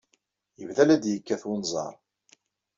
Yebda la d-yekkat unẓar.